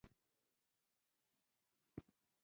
ایا پوهیږئ چې اوبه څومره مهمې دي؟